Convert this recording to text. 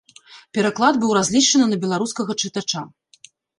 Пераклад быў разлічаны на беларускага чытача.